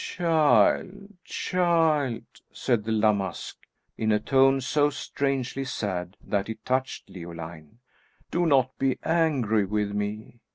"Child, child!" said La Masque, in a tone so strangely sad that it touched Leoline, "do not be angry with me.